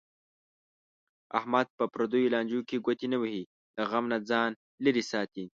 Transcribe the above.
احمد په پردیو لانجو کې ګوتې نه وهي. له غم نه ځان لرې ساتي.